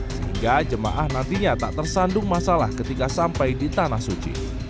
sehingga jemaah nantinya tak tersandung masalah ketika sampai di tanah suci